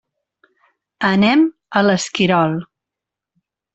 Anem a l'Esquirol.